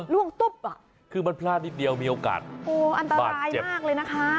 ล่วงตุ๊บอ่ะคือมันพลาดนิดเดียวมีโอกาสโอ้อันตรายมากเลยนะคะ